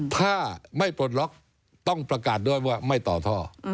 ถ้าไม่ปลดล็อกต้องประกาศด้วยว่าไม่ต่อท่อ